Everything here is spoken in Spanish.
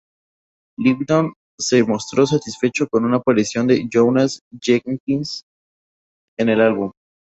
Lindow se mostró satisfecho con la aparición de Jonás Jenkins en el álbum.